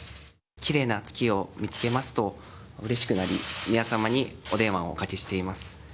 きれいな月を見つけますとうれしくなり、宮さまにお電話をおかけしています。